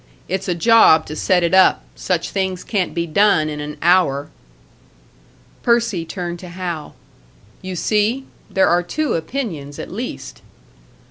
It's a job to set it up such things can't be done in an hour." Percy turned to Hal. "You see! There are two opinions, at least!"